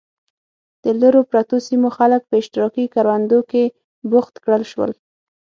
د لرو پرتو سیمو خلک په اشتراکي کروندو کې بوخت کړل شول.